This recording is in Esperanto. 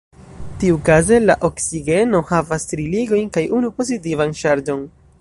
Tiukaze, la oksigeno havas tri ligojn kaj unu pozitivan ŝargon.